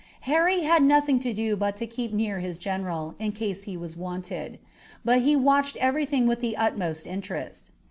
Harry had nothing to do but to keep near his general, in case he was wanted. But he watched everything with the utmost interest.